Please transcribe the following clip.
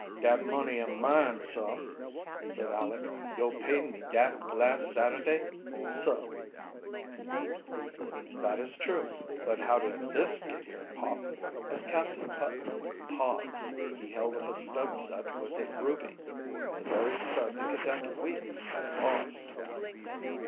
"Dat money am mine, sah," said Aleck. "Yo paid me dat las' Saturday, sall." "That is true, but how did this get here, Pop?" As Captain Putnam paused he held up a stud set with a ruby the very stud the cadet Weeks had lost!